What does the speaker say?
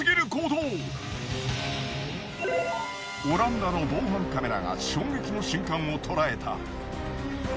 オランダの防犯カメラが衝撃の瞬間を捉えた。